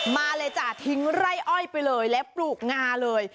มาเลยจ้ะทิ้งไร่อ้อยไปเลยและปลูกงาเลย